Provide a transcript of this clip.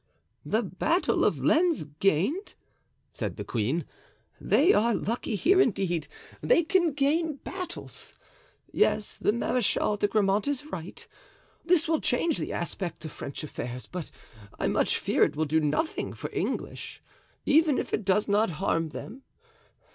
"The battle of Lens gained!" said the queen; "they are lucky here indeed; they can gain battles! Yes, the Marechal de Grammont is right; this will change the aspect of French affairs, but I much fear it will do nothing for English, even if it does not harm them.